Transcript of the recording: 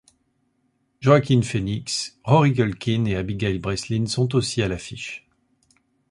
Joaquin Phoenix, Rory Culkin et Abigail Breslin sont aussi à l'affiche.